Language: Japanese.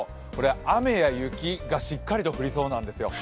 雨や雪がしっかり降りそうなんですよ。